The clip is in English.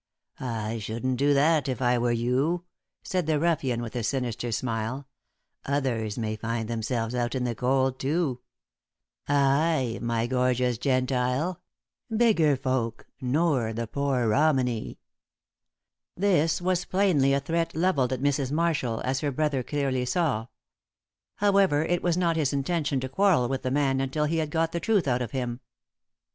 "I shouldn't do that if I were you," said the ruffian, with a sinister smile. "Others may find themselves out in the cold too. Aye, my gorgeous Gentile bigger folk nor the poor Romany." This was plainly a threat levelled at Mrs. Marshall, as her brother clearly saw. However, it was not his intention to quarrel with the man until he had got the truth out of him.